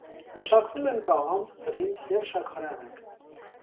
Մշակվում են կաղամբ, բրինձ և շաքարեղեգ։